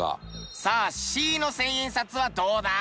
さあＣの１０００円札はどうだ？